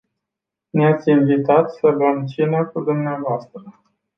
Ne-ați invitat să luăm cina cu dvs.